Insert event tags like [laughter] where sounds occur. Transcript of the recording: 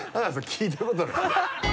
聞いたことない [laughs]